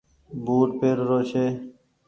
بوٽ پير رو ڇي۔